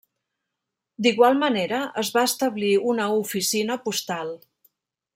D'igual manera, es va establir una oficina postal.